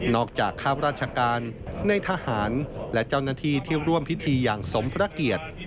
จากข้าราชการในทหารและเจ้าหน้าที่ที่ร่วมพิธีอย่างสมพระเกียรติ